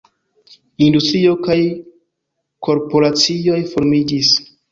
Industrio kaj korporacioj formiĝis.